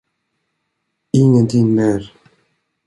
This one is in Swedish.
Ingenting mer?